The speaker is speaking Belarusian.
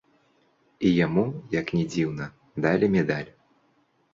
І яму, як не дзіўна, далі медаль.